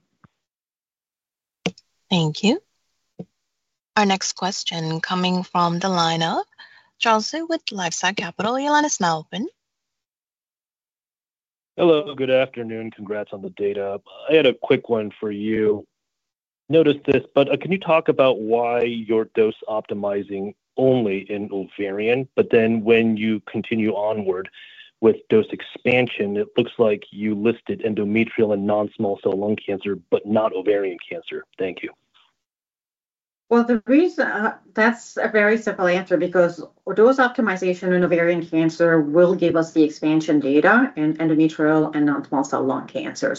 [SPEAKER 1] Thank you. Our next question coming from the line of Jonsu with LifeStar Capital. Your line is now open. Hello. Good afternoon. Congrats on the data. I had a quick one for you. Noticed this, but can you talk about why you're dose optimizing only in ovarian, but then when you continue onward with dose expansion, it looks like you listed endometrial and non-small cell lung cancer, but not ovarian cancer. Thank you.
[SPEAKER 2] The reason that's a very simple answer is because dose optimization in ovarian cancer will give us the expansion data in endometrial and non-small cell lung cancer.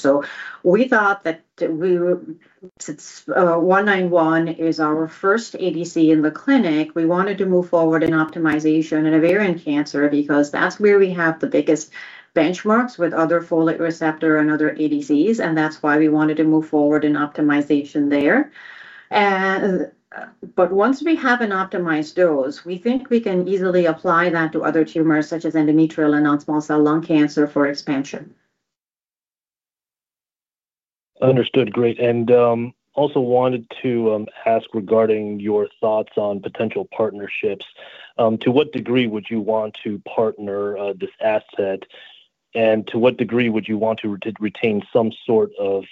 [SPEAKER 2] We thought that since ZW191 is our first antibody-drug conjugate in the clinic, we wanted to move forward in optimization in ovarian cancer because that's where we have the biggest benchmarks with other folate receptor alphas and other antibody-drug conjugates. That's why we wanted to move forward in optimization there. Once we have an optimized dose, we think we can easily apply that to other tumors, such as endometrial and non-small cell lung cancer for expansion. Understood. Great. I also wanted to ask regarding your thoughts on potential partnerships. To what degree would you want to partner this asset? To what degree would you want to retain some sort of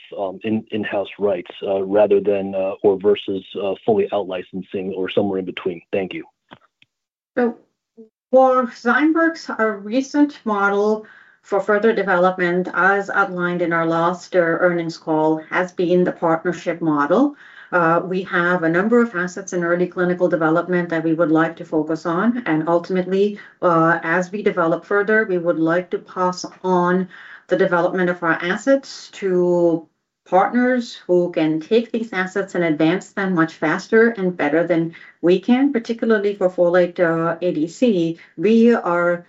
[SPEAKER 2] in-house rights rather than or versus fully out-licensing or somewhere in between? Thank you. For Zymeworks, our recent model for further development, as outlined in our last earnings call, has been the partnership model. We have a number of assets in early clinical development that we would like to focus on. Ultimately, as we develop further, we would like to pass on the development of our assets to partners who can take these assets and advance them much faster and better than we can, particularly for folate ADC. We are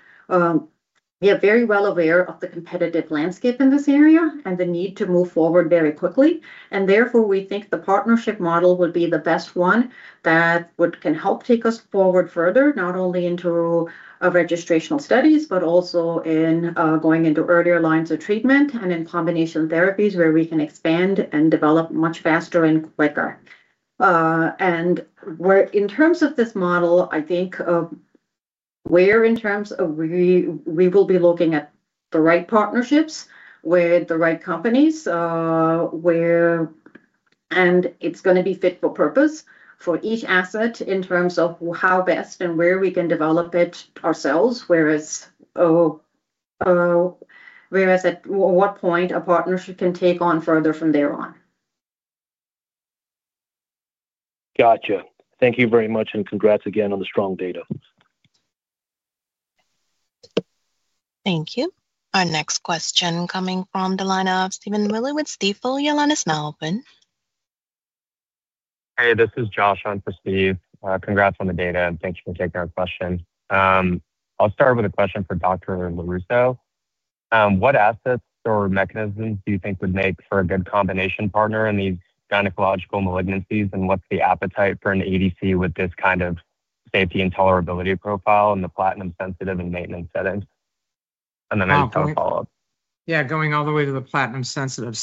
[SPEAKER 2] very well aware of the competitive landscape in this area and the need to move forward very quickly. Therefore, we think the partnership model would be the best one that can help take us forward further, not only into registration studies, but also in going into earlier lines of treatment and in combination therapies where we can expand and develop much faster and quicker. In terms of this model, I think we will be looking at the right partnerships with the right companies, and it's going to be fit for purpose for each asset in terms of how best and where we can develop it ourselves, whereas at what point a partnership can take on further from there on. Thank you very much. Congrats again on the strong data.
[SPEAKER 1] Thank you. Our next question coming from the line of Steven Miller with Stifel. Your line is now open. Hey. This is Josh on for Steve. Congrats on the data, and thank you for taking our question. I'll start with a question for Dr. LoRusso. What assets or mechanisms do you think would make for a good combination partner in these gynecological malignancies? What's the appetite for an ADC with this kind of safety and tolerability profile in the platinum sensitive and maintenance setting? I have a follow-up.
[SPEAKER 4] Yeah. Going all the way to the platinum sensitive.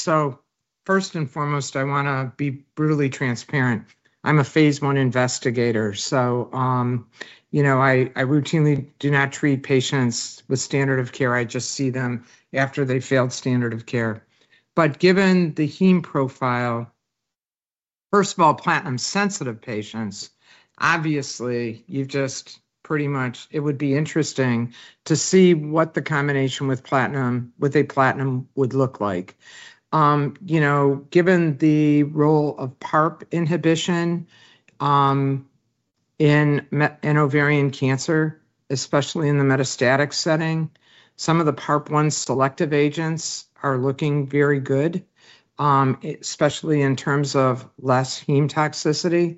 [SPEAKER 4] First and foremost, I want to be brutally transparent. I'm a Phase I investigator. I routinely do not treat patients with standard of care. I just see them after they failed standard of care. Given the heme profile, first of all, platinum sensitive patients, obviously, you've just pretty much, it would be interesting to see what the combination with platinum would look like. Given the role of PARP inhibition in ovarian cancer, especially in the metastatic setting, some of the PARP-1 selective agents are looking very good, especially in terms of less heme toxicity,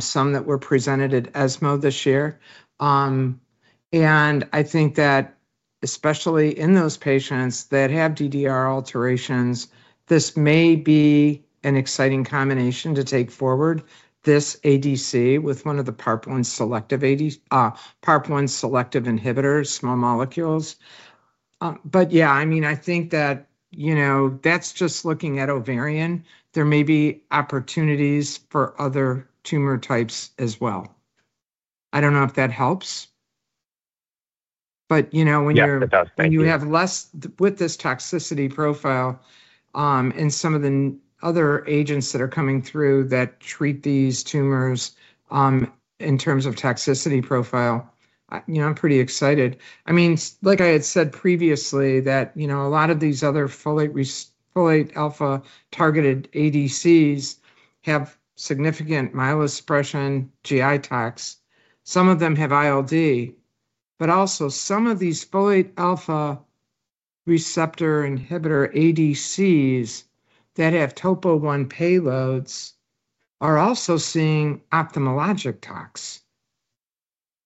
[SPEAKER 4] some that were presented at ESMO this year. I think that especially in those patients that have DDR alterations, this may be an exciting combination to take forward, this ADC with one of the PARP-1 selective inhibitors, small molecules. I think that that's just looking at ovarian. There may be opportunities for other tumor types as well. I don't know if that helps. When you're. Yes, it does. When you have less with this toxicity profile and some of the other agents that are coming through that treat these tumors in terms of toxicity profile, I'm pretty excited. I mean, like I had said previously, a lot of these other folate receptor alpha-targeted ADCs have significant myelosuppression, GI tox. Some of them have ILD, but also some of these folate receptor alpha inhibitor ADCs that have topoisomerase I inhibitor payloads are also seeing ophthalmologic tox,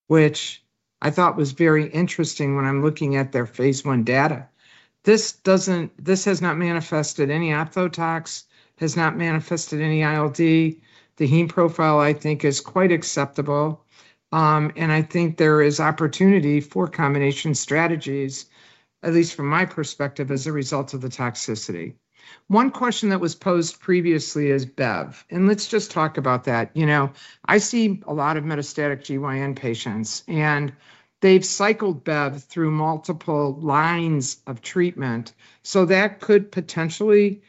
[SPEAKER 4] which I thought was very interesting when I'm looking at their phase I data. This has not manifested any ophthalmologic tox, has not manifested any ILD. The heme profile, I think, is quite acceptable. I think there is opportunity for combination strategies, at least from my perspective, as a result of the toxicity. One question that was posed previously is Bev. Let's just talk about that. I see a lot of metastatic gynecological malignancy patients, and they've cycled Bev through multiple lines of treatment. That could potentially,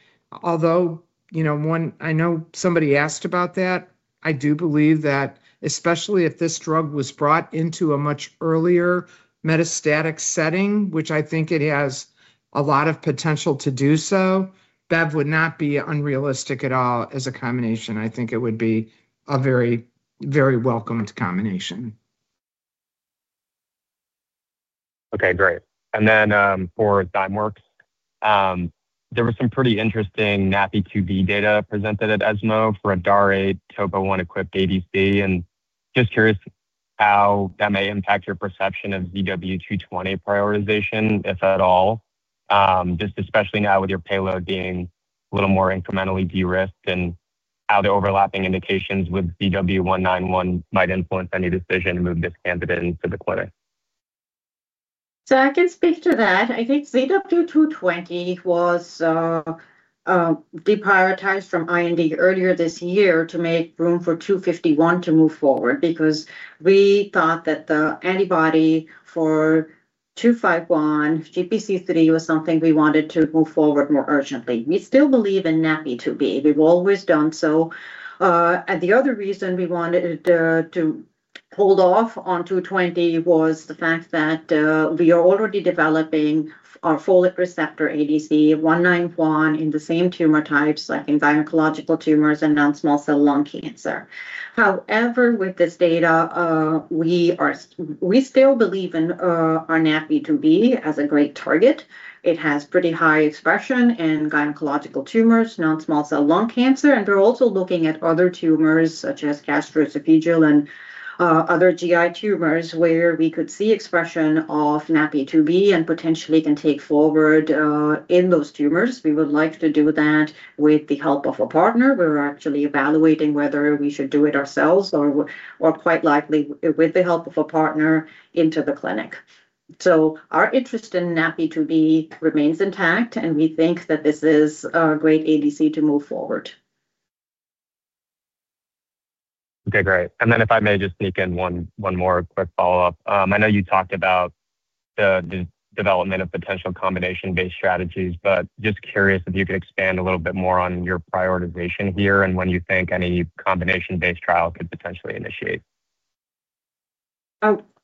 [SPEAKER 4] although I know somebody asked about that. I do believe that especially if this drug was brought into a much earlier metastatic setting, which I think it has a lot of potential to do so, Bev would not be unrealistic at all as a combination. I think it would be a very, very welcomed combination. Okay. Great. For Zymeworks, there was some pretty interesting NAPI2b data presented at ESMO for a DAR8 topoisomerase I inhibitor-equipped ADC. I'm just curious how that may impact your perception of ZW220 prioritization, if at all, especially now with your payload being a little more incrementally de-risked and how the overlapping indications with ZW191 might influence any decision to move this candidate into the clinic.
[SPEAKER 2] I can speak to that. I think ZW220 was deprioritized from IND earlier this year to make room for ZW251 to move forward because we thought that the antibody for ZW251, GPC3, was something we wanted to move forward more urgently. We still believe in NAPI2b. We've always done so. The other reason we wanted to hold off on ZW220 was the fact that we are already developing our folate receptor alpha ADC, ZW191, in the same tumor types, like in gynecological malignancies and non-small cell lung cancer. However, with this data, we still believe in our NAPI2b as a great target. It has pretty high expression in gynecological malignancies and non-small cell lung cancer. We're also looking at other tumors, such as gastroesophageal and other GI tumors, where we could see expression of NAPI2b and potentially can take forward in those tumors. We would like to do that with the help of a partner. We're actually evaluating whether we should do it ourselves or, quite likely, with the help of a partner into the clinic. Our interest in NAPI2b remains intact, and we think that this is a great ADC to move forward. Great. If I may just sneak in one more quick follow-up, I know you talked about the development of potential combination-based strategies. I'm just curious if you could expand a little bit more on your prioritization here and when you think any combination-based trial could potentially initiate.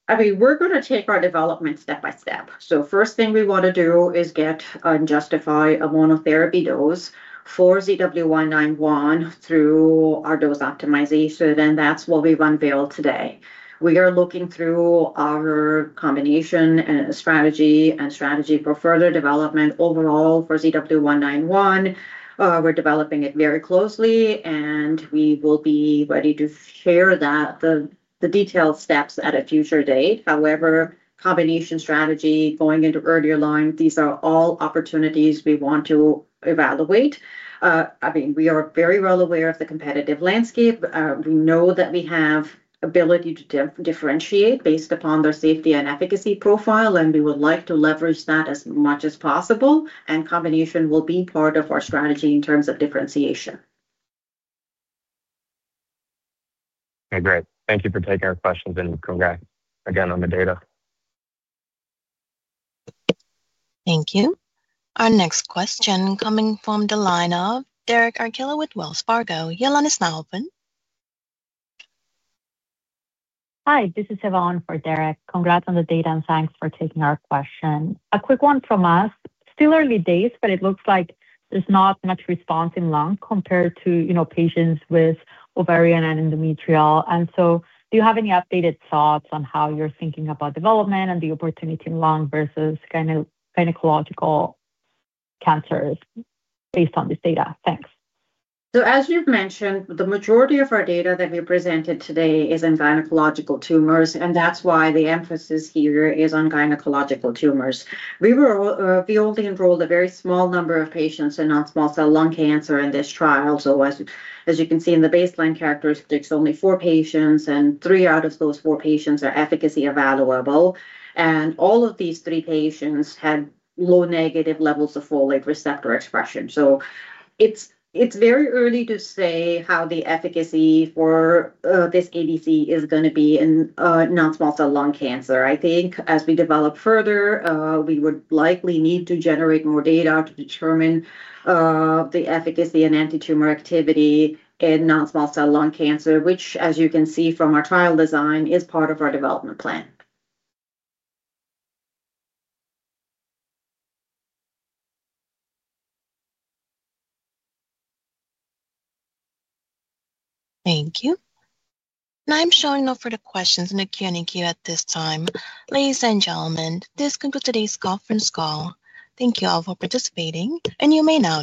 [SPEAKER 2] We're going to take our development step by step. The first thing we want to do is get and justify a monotherapy dose for ZW191 through our dose optimization, and that's what we've unveiled today. We are looking through our combination strategy and strategy for further development overall for ZW191. We're developing it very closely, and we will be ready to share the detailed steps at a future date. However, combination strategy going into earlier lines, these are all opportunities we want to evaluate. We are very well aware of the competitive landscape. We know that we have the ability to differentiate based upon their safety and efficacy profile, and we would like to leverage that as much as possible. Combination will be part of our strategy in terms of differentiation. Okay. Great. Thank you for taking our questions and congrats again on the data.
[SPEAKER 1] Thank you. Our next question coming from the line of Derek Archila with Wells Fargo. Your line is now open. Hi. This is Yvonne for Derek. Congrats on the data, and thanks for taking our question. A quick one from us. Still early days, but it looks like there's not much response in lung compared to patients with ovarian and endometrial. Do you have any updated thoughts on how you're thinking about development and the opportunity in lung versus gynecological cancers based on this data? Thanks.
[SPEAKER 2] As you've mentioned, the majority of our data that we presented today is in gynecological tumors, and that's why the emphasis here is on gynecological tumors. We only enrolled a very small number of patients in non-small cell lung cancer in this trial. As you can see in the baseline characteristics, only four patients, and three out of those four patients are efficacy evaluable. All of these three patients had low negative levels of folate receptor expression. It's very early to say how the efficacy for this ADC is going to be in non-small cell lung cancer. I think as we develop further, we would likely need to generate more data to determine the efficacy and antitumor activity in non-small cell lung cancer, which, as you can see from our trial design, is part of our development plan.
[SPEAKER 1] Thank you. I'm showing up for the questions. No canning here at this time. Ladies and gentlemen, this concludes today's conference call. Thank you all for participating, and you may now.